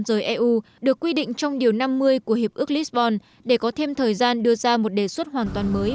rời eu được quy định trong điều năm mươi của hiệp ước lisbon để có thêm thời gian đưa ra một đề xuất hoàn toàn mới